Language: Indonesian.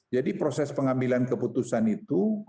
jadi proses pengambilan keputusan itu